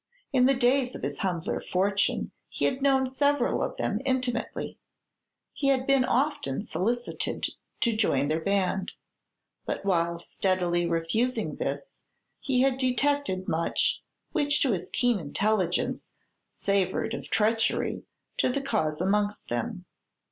In the days of his humbler fortune he had known several of them intimately; he had been often solicited to join their band; but while steadily refusing this, he had detected much which to his keen intelligence savored of treachery to the cause amongst them.